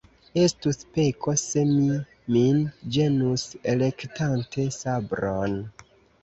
Estus peko, se mi min ĝenus, elektante sabron.